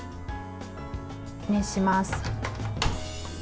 熱します。